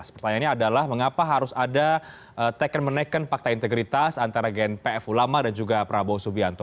pertanyaannya adalah mengapa harus ada teken menekan fakta integritas antara gnpf ulama dan juga prabowo subianto